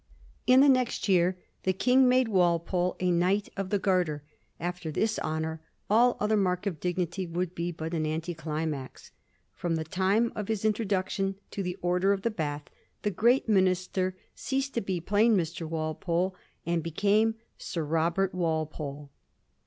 In the next year the King made "Walpole a Knight of the Garter ; after this honour all other mark of dignity would be but an anti climax. From the time of his introduction to the Order of the Bath, the great minister ceased to be plain Mr. Walpole, and became Sir Robert Walpole.